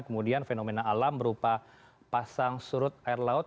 kemudian fenomena alam berupa pasang surut air laut